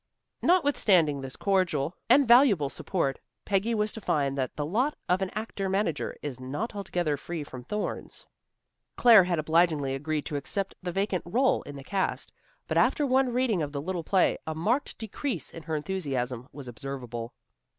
Notwithstanding this cordial and valuable support, Peggy was to find that the lot of an actor manager is not altogether free from thorns. Claire had obligingly agreed to accept the vacant rôle in the cast, but after one reading of the little play, a marked decrease in her enthusiasm was observable.